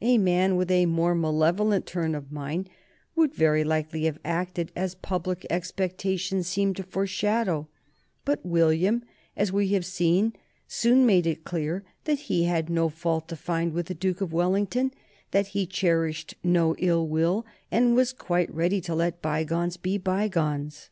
A man with a more malevolent turn of mind would very likely have acted as public expectation seemed to foreshadow, but William, as we have seen, soon made it clear that he had no fault to find with the Duke of Wellington, that he cherished no ill will and was quite ready to let bygones be bygones.